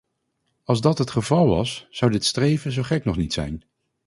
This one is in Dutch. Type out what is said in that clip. Als dat het geval was, zou dit streven zo gek nog niet zijn.